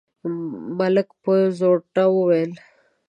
ملک په زوټه وويل: